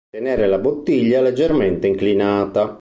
Tenere la bottiglia leggermente inclinata.